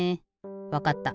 わかった。